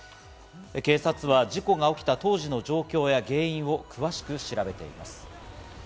警察は事故が起きた当時の状況や原因を詳しく調べています。